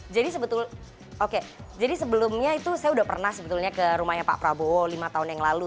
jadi sebetulnya oke jadi sebelumnya itu saya sudah pernah sebetulnya ke rumahnya pak prabowo lima tahun yang lalu